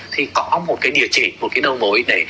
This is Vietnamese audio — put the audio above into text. thì có một cái địa chỉ một cái đầu mối